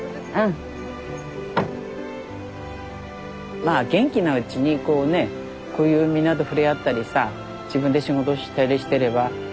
まあ元気なうちにこうねこういうみんなと触れ合ったりさ自分で仕事したりしてれば自分のためにもいいからね。